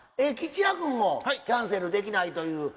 吉弥君もキャンセルできないという。